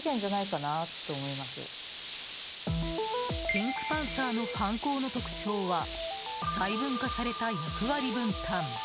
ピンクパンサーの犯行の特徴は細分化された役割分担。